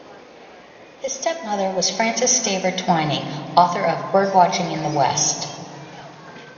His step-mother was Frances Staver Twining, author of "Bird-Watching in the West".